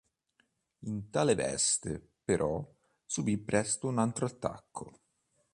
In tale veste, però, subì presto un altro attacco.